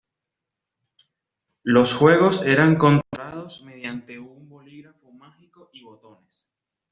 Los juegos eran controlados mediante un bolígrafo "mágico" y botones.